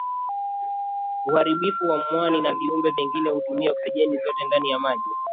Uharibifu wa mwani na viumbe vingine hutumia oksijeni zote ndani ya maji